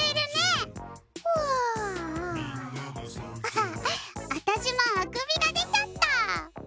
あたしもあくびがでちゃった！